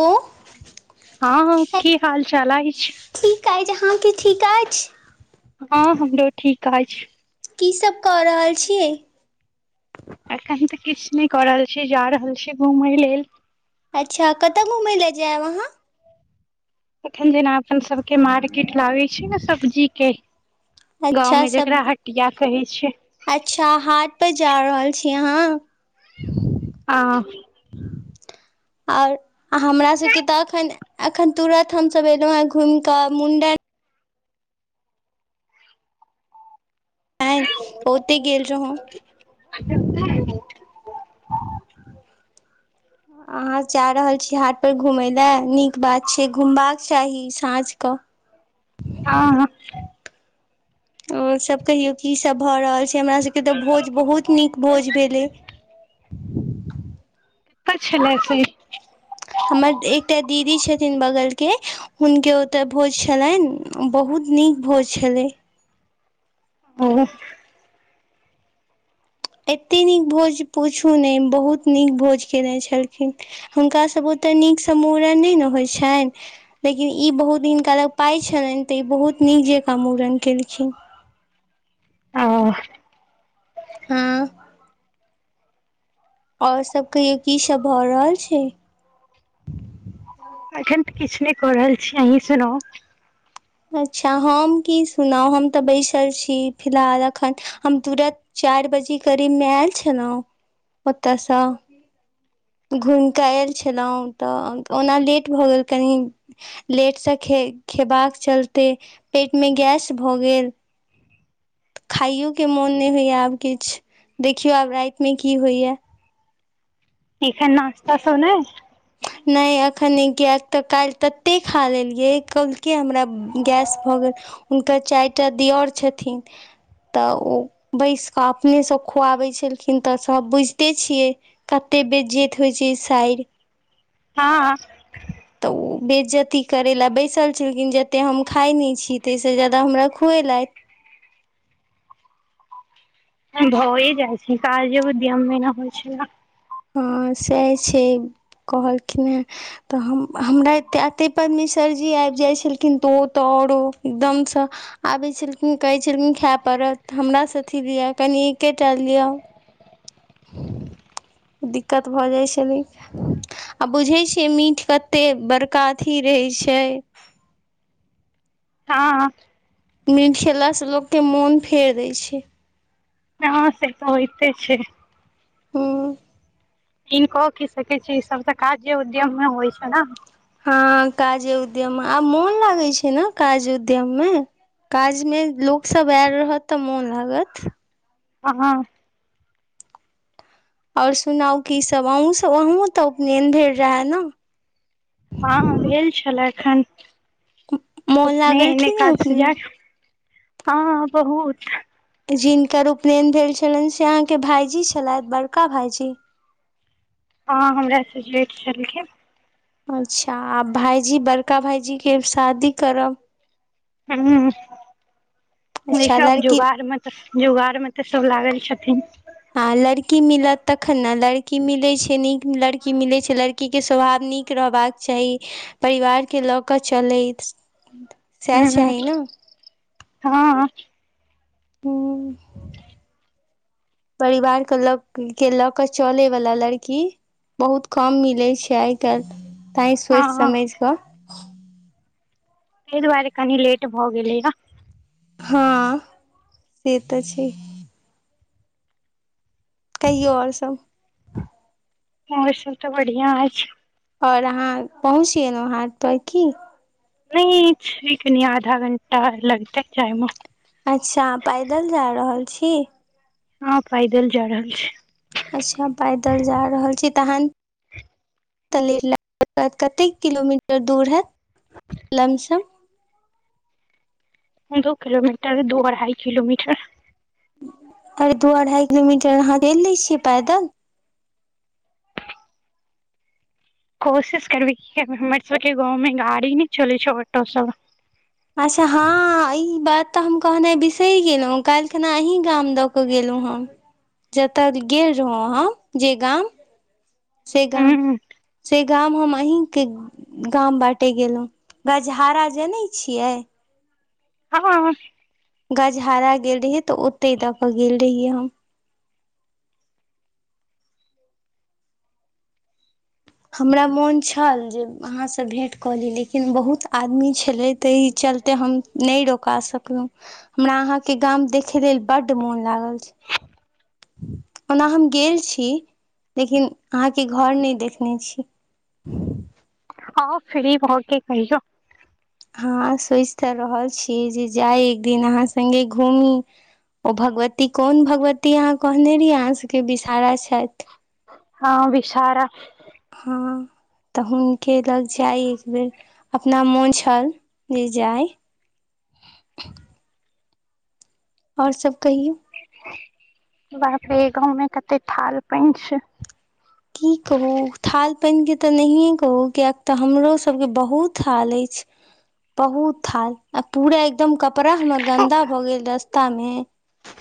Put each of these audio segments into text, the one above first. उं [unintelligible] हँ हँ की हाल चाल अछि आइ जहाँ की ठीक अछि [unintelligible] हँ हमरो ठीक अछि की सभ कऽ रहल छियै एखन तऽ किछु नहि कर रहल छिये जार रहल छिये घुमय लेल अच्छा कतय घुमय लए जायब अहाँ एखन जेना अपन सबके मार्केट लागै छै ने सब्जी के गाँंव अच्छा में सब जेकरा हटिया कहै छै अच्छा हाट पर जा रहल छी अहाँ हँ त [inaudible] आओर हमरासभके तऽ एखन एखन तुरन्त हमसभ अयलहुँ हेँ घूमि कऽ मुण्डन आ ओतय गेल रहौ ह [inaudible] अहाँ जा रहल छी हाट पर घुमय लए नीक बात छै घुमबाक चाही साँझ क ह [inaudible] आ ओ सब कहियौ की सब भऽ रहल छै हमरा सबके तऽ भोज बहुत नीक भोज भेलै क छलै छै हमर एकटा दीदी छथिन बगल के हुनके ओतऽ भोज छलनि बहुत बहुत नीक भोइ छलै ह एते नीक भोज पूछू नहि बहुत नीक भोज केने छलखिन हुनका सभ ओ ते नीक से मूड़न नहि ने होइ छनि लेकिन ई बहुत हिनका लग पाय छलनि तऽ ई बहुत निक जेका मुड़न खेलखिन ह हँ और सब कहियौ की सब भऽ रहल छै एखन तऽ किछ नहि कऽ रहल छी अहीं सुनाउ अच्छा हम की सुनाउ हम तऽ बैसल छी फिलहाल अखन हम तुरत चार बजे करीब मे आयल छै ने ओतयसँ घुम कऽ आयल छलहुँ तऽ ओना लेट भऽ गेल कनि लेटसँ खे खेबाक चलते पेट मे गैस भऽ गेल खाइयो के मोन नहि होइया आब किछु देखियौ आब राइतमे की होइया एखन नस्ता सब नहि नहि तखन गैक तऽ काल्हि तते खा लेलियै कलके हमरा गैस भऽ गेल चाइरटा दियर छथिन तऽ ओ बैस कऽ अपनेसँ खुआबैत छलखिन तऽ सभ बुझिते छियै कतेक बे जेत होइ छै साइर हँ तऽ बेज्जती करेय ला बैसल छलखिन जतेक हम खाइ नहि छी ताहिसँ ज्यादा हमरा खुएेलथि [inaudible] भए जाइ छी काज जे बधियम मना होइ छै हँ सेह छै कहलखिन हेँ तऽ हम हमरा ए एते परमिशन सरजी आबि जाय छलखिन तो ओ ते औरो एकदम से आबे छलखिन कहे छलखिन खाय पर हमरा से अथी लिअ कनि एकेटा लिअ ह [inaudible] दिक्कत भऽ जाइत छलै आ बुझै छियै मीठ कते बड़का अथी रहै छै हँ मिठ खेलासँ लोकके मोन फेर दैत छै हँ से तऽ होयइते छै हँ कनको की सकै छी ई सब तऽ काज जे उद्यममे होइ छै ने हँ काजे उद्यम आब मोन लागै छै ने काज उद्यम मे काजमे लोकसभ आयल रहत तऽ मोन लागत ह और सुनाउ की सब अहूँ सब अहूँ तऽ उपनयन भ रहै ने हँ भेल छल एखन मोन अपने लागल एने की नहि काज सुजै उपनयन हँ बहुत जिनकर उपनयन भेल छलनि से अहाँके भाईजी छलथि बड़का भाईजी हँ हमरासँ जेठ छलखिन अच्छा आ भायजी बड़का भायजी के शादी करब ह्म अच्छा इसब लड़की जोगार मे त जुगाड़ मे तऽ सब लागल छथिन हँ लड़की मिलत तखन ने लड़की मिलै छै नीक लड़की मिलैछै लड़की के स्वभाव नीक रहबाक चाही परिवारके लऽ कऽ चलैत सएह ह् ह्म चाही ने हँ हू परिवार के ल के लऽ क चले वला लड़की बहुत कम मिलै छै आइ काल्हि ताहि सोचि ताहि समझि कऽ ताहि दुआरे कनि लेट भऽ गेलै ने हँ से तऽ छै कहियौ आओर सब ओओ सब तऽ बढ़िआ अछि और अहाँ पहुँचियलहु हा पर की नहि कनी आधा घण्टा लगतै जाइमे अच्छा पैदल जा रहल छी हँ पैदल जा रहल छै अच्छा पैदल जा रहल छी तखन कतेक किलोमीटर दूर हैतत लमस्म ह [inaudible] दू किलोमीटर दू अढ़ाइ किलोमीटर अरे दू अढ़ाई किलोमीटर अहाँ गेल ले छियै पैदल कोशिश करबी हमर सब गमे गाड़ी नहि चल छोटो सब अच्छा हँ ई बात तऽ हम कहना बिसरि गेलहुँ काल्हि खना अहीँ गाम दऽ कऽ गेलहुँ ह जतय गेल रहौ हम जे गाम शगाम ह गाम हम अहीं के गाम बाँटे गेलहुं बजहारा जनै छियै हँँ गजहराागेल रहियै तऽ ओतहि दऽ कऽ गेल रहियै हम हमरा मोन छल जे अहाँसँ भेँट कऽ ली लेकिन बहुत आदमी छलै तऽ ई चलते हम न रका सकलू हमरा आहा के गाम देखे ले बड मोन लागल खुश [inaudible] ओना हम गेल छी लेकिन अहाँके घर नहि देखने छी ह हँ फ्री भके कहै छ हँ सोचि तऽ रहल छीयै जे जाइ एक दिन अहाँ सङ्गे घूमी ओ भगवती कोन भगवती अहाँ कहने रहियै अहाँ सभके विषहारा छथि हँ विषारा हँ तऽ हुनके लग जाय एक बेर अपना मोन छल जे जाय ह आओर सब कहियौ बाप रे गाँवमे कते थाल पान छै की कहू थाल पानिके तऽ नहिए कहू कियाक तऽ हमरो सबके बहुत हाल अछि बहुत थाल आ पूरा एकदम कपड़ा हमर गन्दा भऽ गेल रस्ता मे ह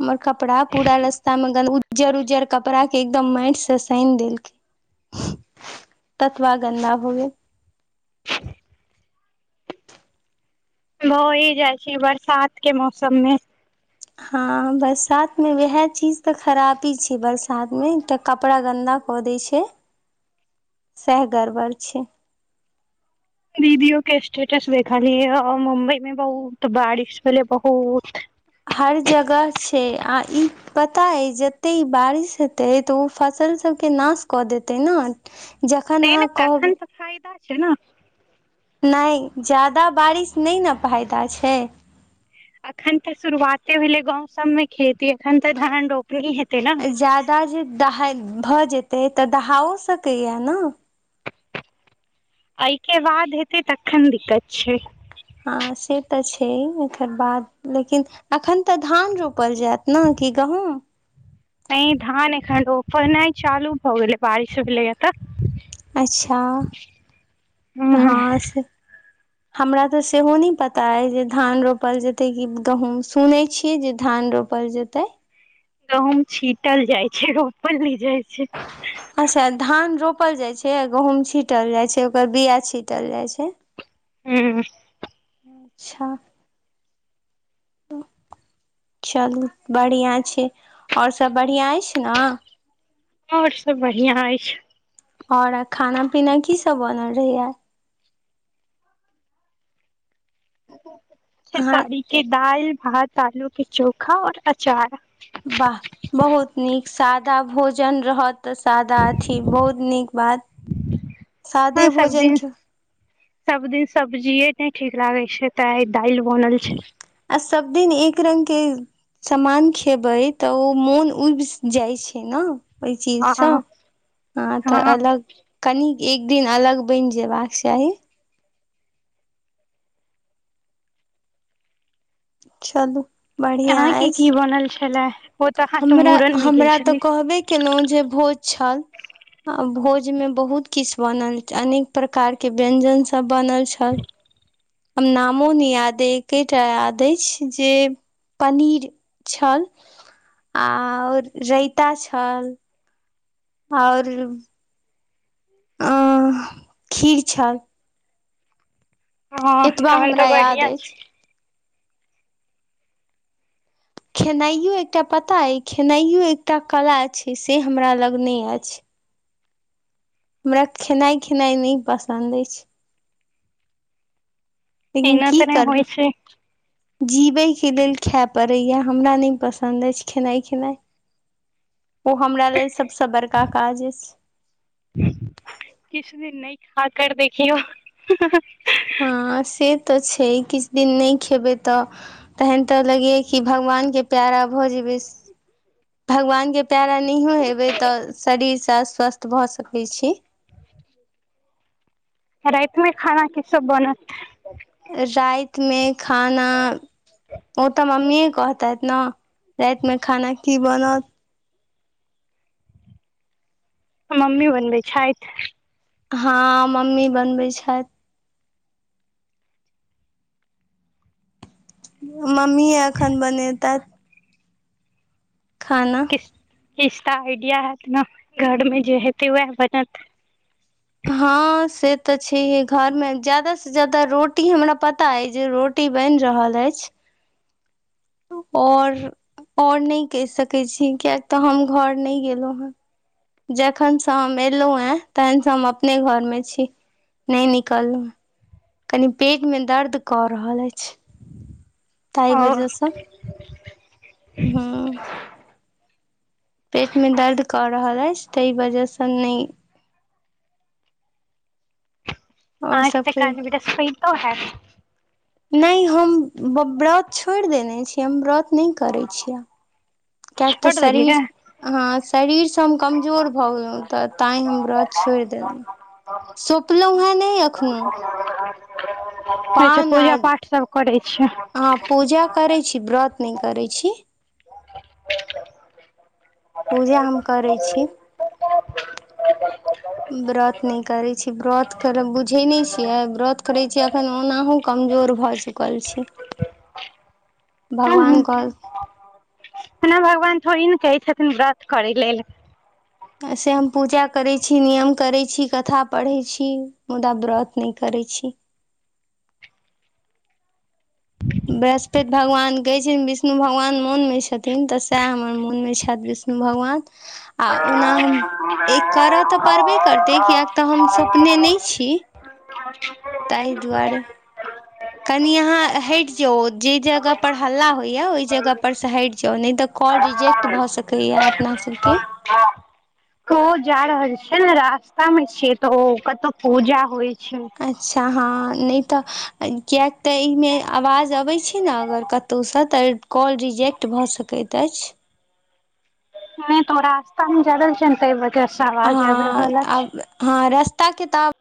हमर कपड़ा पूरा रस्तामे जर उजर कपड़ाके एकदम माटिसँ सानि देलखिन ततवा गन्दा हो गेल होइ जाय छै ई बरसात के मौसम मे हँ बरसात मे वएह चीज तऽ खराबी छै बरसात मे तऽ कपड़ा गन्दा कऽ दै छै सेह गड़बड़ छै दीदियो के स्टेटस देखलीयै ह मुम्बई में बहुत बारिश भेलै बहुत हर जगह छै आ ई पता अछि जते ई बारिश हेतै तऽ उ फसल सभके नाश कऽ देतै न नहि नहि तऽ एखन तऽ फायदा छै न नहि जदा बारिश नहि न फायदा छै अखन तऽ शुरुआते भेले गांव सब में खेती एखन तऽ धान रोप ज्यादा जे दहा भऽ जेतै तऽ दहाओ सकैया न एहिके बाद हेतै तखन दिक्कत छै हँ से तऽ छै एकर बाद लेकिन अखन तऽ धान रोप पल जायत ने कि गहूँम अखन ओ रोपनाइ चालू भऽ गेलै बारिश हो गेलै तऽ अच्छा ह हँ से हमरा तऽ सेहो नहि पता अछि जे धान रोपल जते कि गहूँं सुनै छियै जे धान रो रोपल जेतै गहुंम छीटल जाइ छै रोपल नहि जाइ छै अच्छा धान रोप छपल जाइ छै गहुॅँम छीटल जाय छै ओकर बिया छीटल जाय छै हँ अच्छा [unintelligible] चलू बढ़िआँ छै आओर सभ बढ़िआँ अछि न आओर सभ बढ़िआँ अछि आओर खाना पीना की सब बनल रहैय अहाँ खेसारी के दाल भात आलू के चोखा आओर अचार वाह बहुत नीक सादा भोजन रहत तऽ सादा अथी बहुत नीक बात हँ सादे सब भोजन दिन क सब दिन सब्जिए नहि ठीक लागैत छै तऽ आय दालि बनल छै आ सब दिन एक रगं के सामान खेबै तऽ ओ मोन उबि जाइत छै ने ओहि हँ चीजसँ ह तऽ हँ अलग कनि एक दिन अलग बनि जे बाक चाही चलू अहाँ के की बनल छलए हम हमरा तऽ कहबे केलहुँ जे भोज छल भोज भोज में बहुत किछ बनल अनेक प्रकार के व्यंजन सब बनल छल आ नामोने याद एकेटा याद अछि जे पनीर छल आओर रायता छल आओर आ खीर छल हँ एतबा तहन तऽ हमरा याद बढ़िआ अछि छै खेनाइयो एकटा पता अइ खेनाइयो एकटा कला छै से हमरा लग नहि अछि हमरा खेनाइ खेनाइ नहि पसन्द अछि लेकिन एना की तऽ नहि करब होइ छै जीबै के लेल खाय पड़ैया हमरा नहि पसन्द अछि खेनाइ खेनाइ ओ हमरा लेल सबस बड़का काज अछि आ केर देखियौ हँ से तऽ छै किछ दिन नहि खेबै तऽ तहन तऽ लगैय कि भगवान भगवान के प्यारा भ जेबय भगवान के प्यारा नहियो हेबै तऽ शरीर अ स्वस्थ भऽ सकै छी राइत मे खाना की सब बनत राइत मे खाना ओ तऽ मम्मीये कहतैत न राइत मे खाना की बनत मम्मी बनबै छैथ हँ मम्मी बनबै छैथ मम्मीये एखन बनेतेथ खाना इसका आइडिया हैत न घर मे जे हेतै वैह बनैत हँ से तऽ छैहे घरमे ज्यादास से ज्याददा रोटी हमरा पता अछि जे रोटी बनि रहल अछि और आओर नहि कहि सकैत छी कियक तऽ हम घर नहि गेलहुँ हँ जखनसँ हम एलहुँ हे तेहेनसँ हम अपने घरमे छी नहि निकललहुँ कनी पेटमे दर्द कऽ रहल अछि तहि आओर बजस स पेटमे दर्द कऽ रहल अछि ताहि वजहसँ नहि आओर आहाँके तऽ सभके काज अभि तक होइतो हैत नहि हम व्रत छोड़ि देने छियै हम व्रत नहि करैत छियै किएक तऽ छोट देलिये शरीर का हँ शरीरसँ हम कमजोर भऽ गेलहुँ तऽ त तैय हम व्रत छोइर देलहुँ सौपलहुँ हे नइह एखनोहु [unintelligible] अच्छा पान आ पूजा पाठ सब करै छियै ह पूजा करै छी व्रत नहि करै छी पूजा हम करै छी व्रत नहि करै छी व्रत कर बुझै नहि छियै व्रत करै छियै अखन ओनाहु कम कमजोर भऽ चुकल छी भगवान क ओना भगवान थोड़े ने कहै छथिन व्रत करय लेल एहिसँ हम पूजा करैत छी नियम करैत छी कथा पढ़ैत छी मुदा व्रत नहि करैत छी [inaudible] बृहस्पति भगवान कहै छैन विष्णु भगवान मोनमे छथिन तऽ सएह हमर मोनमे छै छैथ विष्णु भगवान आ ओना हम ए करय तऽ पड़बे करतै कियक तऽ हम सपने नहि छी ताहि दुआरे [unintelligible] कनि अहाँ हइट जाऊ जे जगह पर हल्ला होइया ओहि जगह पर से हइट जाऊ नहि तऽ कॉल रिजेक्ट भऽ सकैय ये अपना सबके ओ जा रहल छै ने रास्ता मे छियै तऽ ओ कतहु पूजा होइ छै अच्छा हँ नहि तऽ कए तऽ एहिमे आवाज अबैत छै ने अगर कतौसँ त कॉल रिजेक्ट भऽ सकैत अछि नहि तो रास्तामे जाय रहल छियै न ताहि वजह से आवाज आबि रहल अछि त किताब